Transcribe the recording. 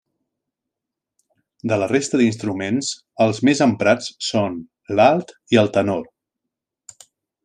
De la resta d'instruments, els més emprats són l'alt i el tenor.